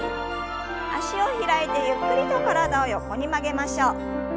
脚を開いてゆっくりと体を横に曲げましょう。